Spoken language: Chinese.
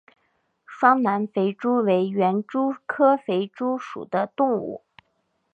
双南肥蛛为园蛛科肥蛛属的动物。